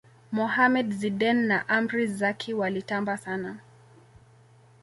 mohammed zidane na amri zaki walitamba sana